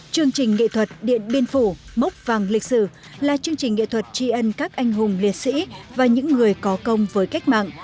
chương trình nghệ thuật điện biên phủ là chương trình nghệ thuật tri ân các anh hùng liệt sĩ và những người có công với cách mạng